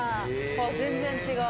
全然違う。